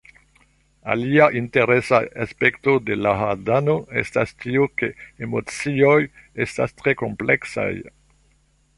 Alia interesa aspekto de Láadano estas tio ke emocioj estas tre kompleksaj